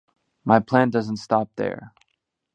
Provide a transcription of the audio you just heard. My plan doesn’t stop there.